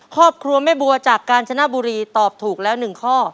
ครอบครัวแม่บัวจากกาญจนบุรีตอบถูกแล้ว๑ข้อ